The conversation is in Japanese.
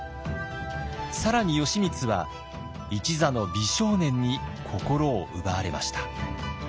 更に義満は一座の美少年に心を奪われました。